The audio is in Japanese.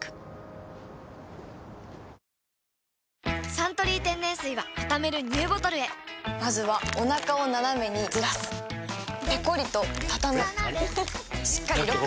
「サントリー天然水」はたためるＮＥＷボトルへまずはおなかをナナメにずらすペコリ！とたたむしっかりロック！